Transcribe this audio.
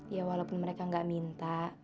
ya walaupun mereka nggak minta